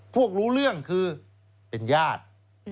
พวกรู้เรื่องคือเป็นญาติ